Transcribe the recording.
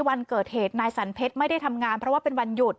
วันเกิดเหตุนายสันเพชรไม่ได้ทำงานเพราะว่าเป็นวันหยุด